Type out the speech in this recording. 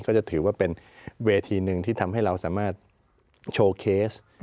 ก็จะถือว่าเป็นเวทีหนึ่งที่ทำให้เราสามารถโชว์เคส